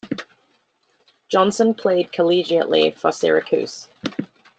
Johnson played collegiately for Syracuse.